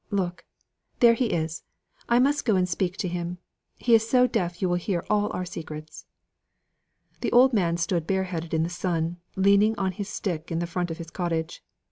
Look there he is I must go and speak to him. He is so deaf you will hear all our secrets." The old man stood bareheaded in the sun, leaning on his stick at the front of his cottage.